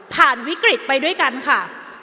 วิกฤตไปด้วยกันค่ะ